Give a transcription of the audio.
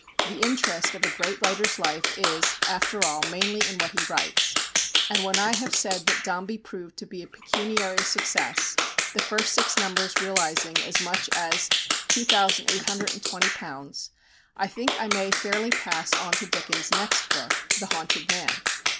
The interest of a great writer's life is, after all, mainly in what he writes; and when I have said that "Dombey" proved to be a pecuniary success, the first six numbers realizing as much as £2,820, I think I may fairly pass on to Dickens' next book, the "Haunted Man."